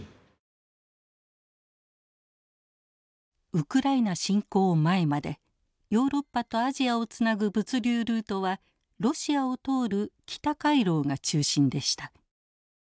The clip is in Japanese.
ウクライナ侵攻前までヨーロッパとアジアをつなぐ物流ルートはロシアを通る北回廊が中心でした。